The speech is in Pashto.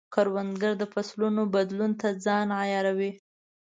کروندګر د فصلونو بدلون ته ځان عیاروي